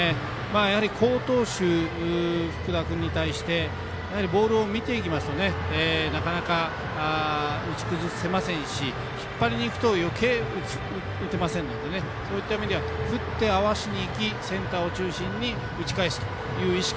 やはり好投手、福田君に対してボールを見ていきますとなかなか打ち崩せませんし引っ張りにいくとよけい、打てませんのでそういった意味では振って合わせにいきセンターを中心に打ち返すという意識。